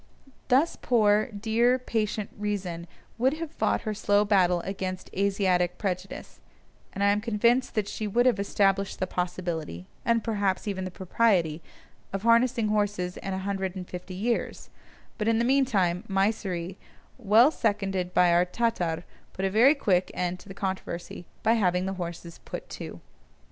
Thus poor, dear, patient Reason would have fought her slow battle against Asiatic prejudice, and I am convinced that she would have established the possibility (and perhaps even the propriety) of harnessing horses in a hundred and fifty years; but in the meantime Mysseri, well seconded by our Tatar, put a very quick end to the controversy by having the horses put to.